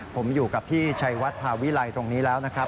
ผมอยู่กับพี่ชัยวัดพาวิลัยตรงนี้แล้วนะครับ